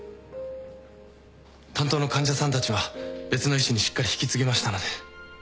担当の患者さんたちは別の医師にしっかり引き継ぎましたので。